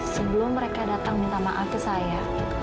sebelum mereka datang minta maaf ke saya